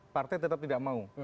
partai tetap tidak mau